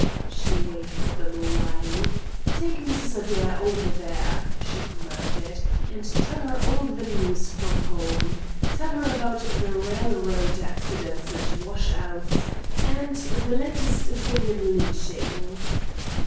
She waved them away. "Take Mrs. Adair over there," she commanded, "and tell her all the news from home. Tell her about the railroad accidents and 'washouts' and the latest thing in lynching."